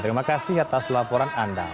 terima kasih atas laporan anda